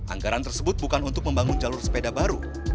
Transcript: anggaran tersebut bukan untuk membangun jalur sepeda baru